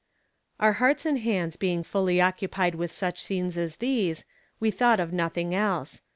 Our hearts and hands being fully occupied with such scenes as these, we thought of nothing else.